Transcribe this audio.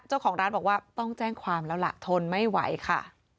เจ้าของร้านบอกว่าต้องแจ้งความแล้วล่ะทนไม่ไหวค่ะ